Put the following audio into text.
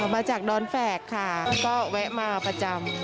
มาจากดอนแฝกค่ะก็แวะมาประจำ